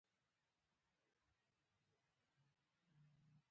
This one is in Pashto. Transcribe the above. • ته د شپو خوبونو ته حقیقت ورکړې.